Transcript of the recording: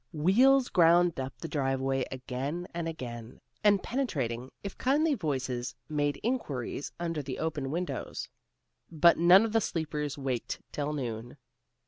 Wheels ground up the driveway again and again, and penetrating, if kindly, voices made inquiries under the open windows, but none of the sleepers waked till noon.